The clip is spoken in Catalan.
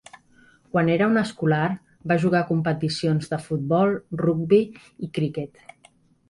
Quan era un escolar va jugar competicions de futbol, rugbi i cricket.